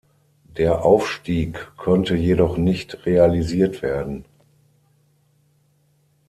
Der Aufstieg konnte jedoch nicht realisiert werden.